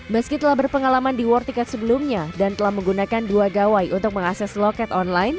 meski telah berpengalaman di war ticket sebelumnya dan telah menggunakan dua gawai untuk mengakses loket online